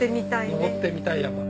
登ってみたいね。